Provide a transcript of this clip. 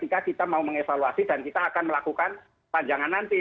jika kita mau mengevaluasi dan kita akan melakukan panjangan nanti